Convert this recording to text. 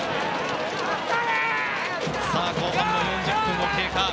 後半も４０分を経過。